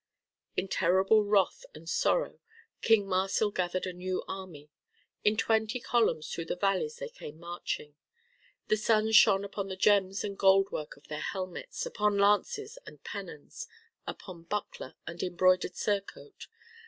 In terrible wrath and sorrow King Marsil gathered a new army. In twenty columns through the valleys they came marching. The sun shone upon the gems and goldwork of their helmets, upon lances and pennons, upon buckler and embroidered surcoat.